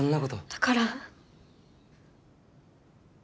だから。